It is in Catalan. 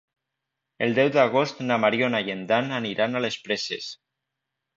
El deu d'agost na Mariona i en Dan aniran a les Preses.